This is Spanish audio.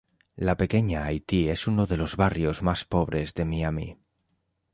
La Pequeña Haití es uno de los barrios más pobres de Miami.